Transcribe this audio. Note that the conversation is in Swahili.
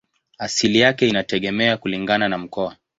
Asili yake inategemea kulingana na mkoa.